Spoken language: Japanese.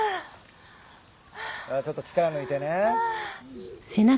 ちょっと力抜いてね。